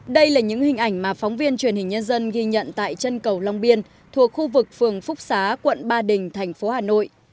đây là những hình ảnh mà phóng viên truyền hình nhân dân ghi nhận tại chân cầu long biên thuộc khu vực phường phúc xá quận ba đình thành phố hà nội